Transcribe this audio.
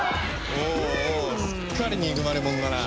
おうおうすっかり憎まれもんだなあ。